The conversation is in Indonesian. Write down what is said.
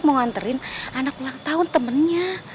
mau nganterin anak ulang tahun temennya